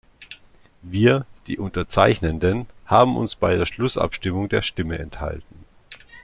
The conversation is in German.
Wir, die Unterzeichnenden, haben uns bei der Schlussabstimmung der Stimme enthalten.